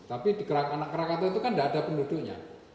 tapi di anak krakatau itu kan tidak ada penduduknya